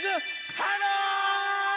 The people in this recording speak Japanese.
ハロー！